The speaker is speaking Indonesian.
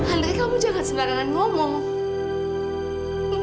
andai kamu jangan sembarangan ngomong